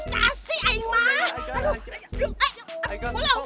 kita gak usah ngalangin hubungan sama kamu sama sebulan itu deh